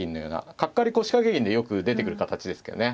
角換わり腰掛け銀でよく出てくる形ですけどね。